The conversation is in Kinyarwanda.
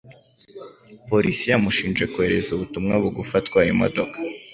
Polisi yamushinje kohereza ubutumwa bugufi atwaye imodoka.